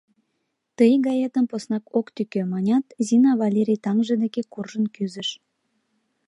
Тый гаетым поснак ок тӱкӧ, — манят, Зина Валерий таҥже деке куржын кӱзыш.